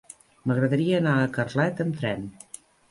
M'agradaria anar a Carlet amb tren.